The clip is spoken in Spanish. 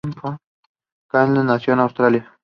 Kuehnelt-Leddihn nació en Austria.